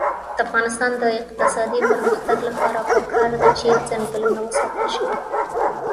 د افغانستان د اقتصادي پرمختګ لپاره پکار ده چې ځنګلونه وساتل شي.